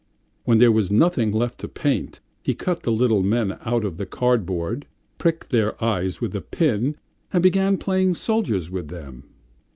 When there was nothing left to paint he cut the little men out of the card board, pricked their eyes with a pin, and began playing soldiers with them.